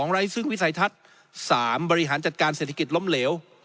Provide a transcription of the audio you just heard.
ไร้ซึ่งวิสัยทัศน์๓บริหารจัดการเศรษฐกิจล้มเหลว